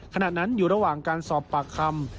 ขณะนั้นอยู่ระหว่างการสอบปากคำ